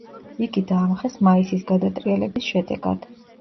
იგი დაამხეს მაისის გადატრიალების შედეგად.